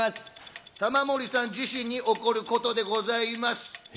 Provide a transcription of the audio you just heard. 玉森さん自身に起こることでございます。